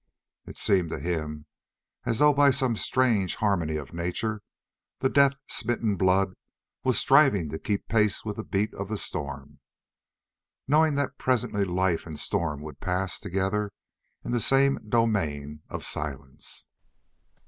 It seemed to him as though by some strange harmony of nature the death smitten blood was striving to keep pace with the beat of the storm, knowing that presently life and storm would pass together into the same domain of silence.